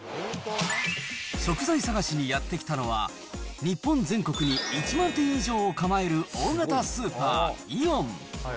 食材探しにやって来たのは、日本全国に１万店以上を構える大型スーパー、イオン。